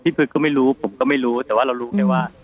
พฤษก็ไม่รู้ผมก็ไม่รู้แต่ว่าเรารู้ไงว่า